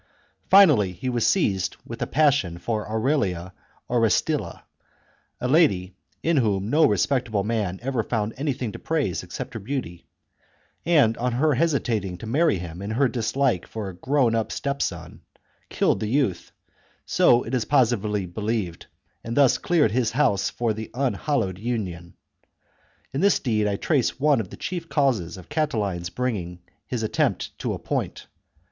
Finally he was seized with a passion for Aurelia Orestilla (a lady in whom no res pectable man ever found anything to praise except her beauty), and, on her hesitating to marry him in her dislike of a grown up stepson, killed the youth, — so it is positively believed, — and thus cleared his house for the unhallowed union. In this deed I trace one of the chief causes of Catiline's bringing his attempt to a point.